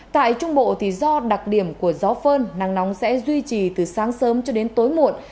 tại trung bộ do đặc điểm của gió phơn nắng nóng sẽ duy trì từ sáng sớm cho đến tối muộn